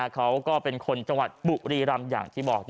เขาก็เป็นคนจังหวัดบุรีรำอย่างที่บอก